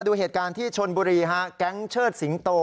ดูเหตุการณ์ที่ชนบุรีฮะแก๊งเชิดสิงโต